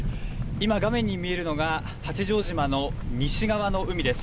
今、画面に見えるのが八丈島の西側の海です。